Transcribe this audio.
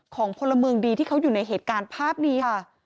พลเมืองดีที่เขาอยู่ในเหตุการณ์ภาพนี้ค่ะ